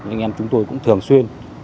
anh em chúng tôi cũng thường xuyên